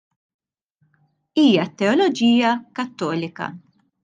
Hija t-teoloġija Kattolika.